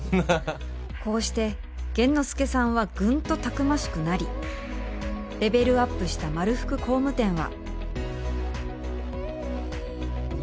こうして玄之介さんはぐんとたくましくなりレベルアップしたまるふく工務店は。